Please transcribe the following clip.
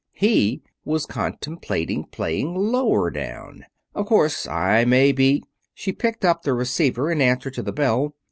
He was contemplating playing lower down. Of course, I may be " She picked up the receiver in answer to the bell.